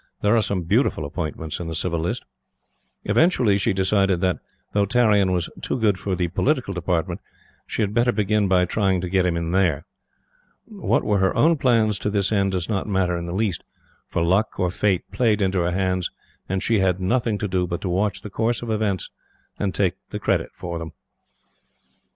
There are some beautiful appointments in the Civil List. Eventually, she decided that, though Tarrion was too good for the Political Department, she had better begin by trying to get him in there. What were her own plans to this end, does not matter in the least, for Luck or Fate played into her hands, and she had nothing to do but to watch the course of events and take the credit of them.